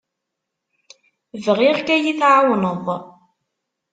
Bɣiɣ-k ad iyi-tɛawneḍ.